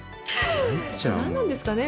何なんですかね？